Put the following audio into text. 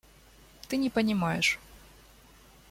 Ты не понимаешь.